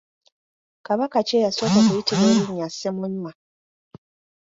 Kabaka ki eyasooka okuyitibwa erinnya Ssemunywa?